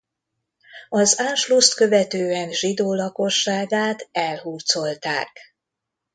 Az Anschlusst követően zsidó lakosságát elhurcolták.